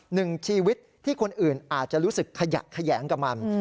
หนึ่งชีวิตที่คนอื่นอาจจะรู้สึกขยะแขยงกับมัน